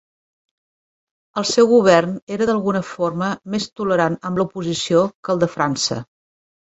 El seu govern era d'alguna forma més tolerant amb l'oposició que el de França.